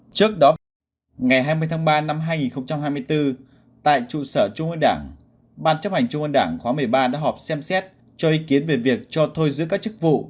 trước đó vào ngày hai mươi tháng ba năm hai nghìn hai mươi bốn tại trụ sở trung ương đảng ban chấp hành trung ương đảng khóa một mươi ba đã họp xem xét cho ý kiến về việc cho thôi giữ các chức vụ